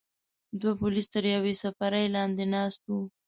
دوه پولیس تر یوې څپرې لاندې ناست وو.